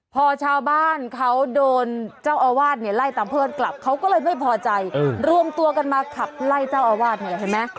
พอชาวบ้านเขาโดนเจ้าอาวาสเนี่ยไล่ตามเพื่อนกลับเขาก็เลยไม่พอใจรวมตัวกันมาขับไล่เจ้าอาวาสเนี่ยเห็นไหม